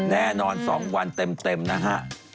แน่นอน๒วันเต็มนะฮะ